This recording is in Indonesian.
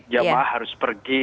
jamaah harus pergi